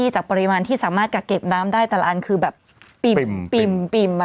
จากปริมาณที่สามารถกักเก็บน้ำได้แต่ละอันคือแบบปิ่ม